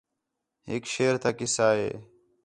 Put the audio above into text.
ہِک شیر تا قصہ ہِے